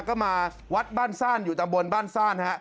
ก็มาวัดบ้านซ่านอยู่ตำบลบ้านซ่านฮะ